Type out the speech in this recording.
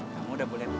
kamu udah boleh pulang